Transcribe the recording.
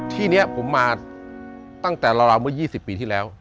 ที่นี้ผมมาตั้งแต่ราวเมื่อ๒๐ปีที่แล้ว